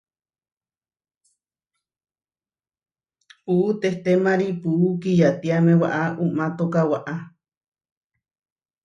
Puú tehtémari puú kiyatiáme waʼá uʼmátoka waʼá.